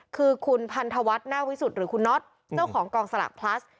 คือคุณพันธวัฒน์หน้าวิสุทธิ์หรือคุณน็อตเจ้าของกองสลากพลัส